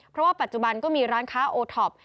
เพราะว่าปัจจุบันก็มีร้านค้าโอท็อป